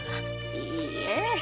いいえ。